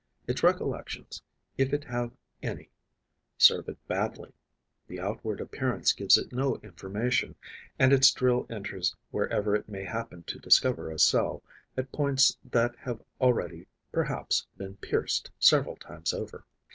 Its recollections, if it have any, serve it badly; the outward appearance gives it no information; and its drill enters wherever it may happen to discover a cell, at points that have already perhaps been pierced several times over.